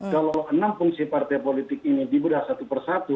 kalau enam fungsi partai politik ini dibedah satu persatu